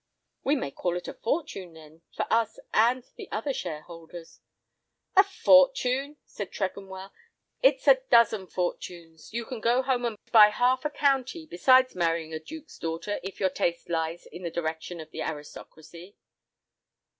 "We may call it a fortune, then, for us and the other shareholders." "A fortune!" said Tregonwell, "it's a dozen fortunes. You can go home and buy half a county, besides marrying a duke's daughter, if your taste lies in the direction of the aristocracy."